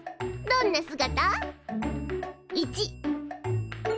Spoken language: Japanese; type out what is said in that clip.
どんな姿？